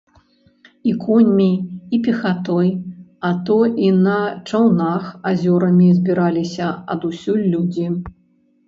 І коньмі, і пехатой, а то і на чаўнах азёрамі збіраліся адусюль людзі.